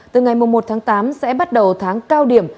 từ ngày một tháng tám sẽ bắt đầu tháng cao điểm